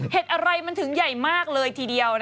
เห็ดอะไรตัำนึงถึงใหญ่มากเลยทีเดียว